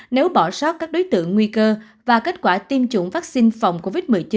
nếu bỏ sót các đối tượng nguy cơ và kết quả tiêm chủng vaccine phòng covid một mươi chín